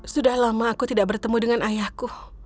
sudah lama aku tidak bertemu dengan ayahku